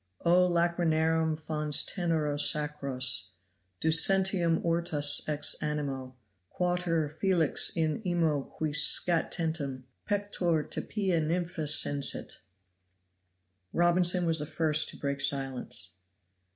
O lacryrnarum fons tenero sacros Ducentium ortus ex animo; quater Felix in imo qui scatentem Pectore te pia Nynmpha sensit. Robinson was the first to break silence.